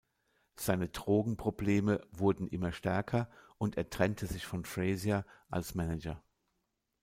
Seine Drogenprobleme wurden immer stärker und er trennte sich von Frazier als Manager.